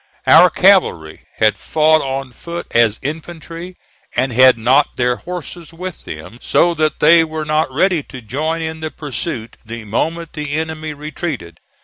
Our cavalry had fought on foot as infantry, and had not their horses with them; so that they were not ready to join in the pursuit the moment the enemy retreated.